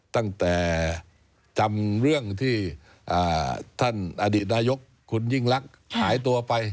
ตั้งแต่จำเรื่องที่ท่านอดีตนายกคุณยิ่งลักษณ์หายตัวไป